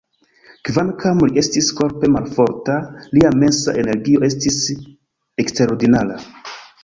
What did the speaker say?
Kvankam li estis korpe malforta, lia mensa energio estis eksterordinara.